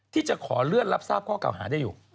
ที่จะขอเลื่อนรับทราบข้อเก่าหาได้อยู่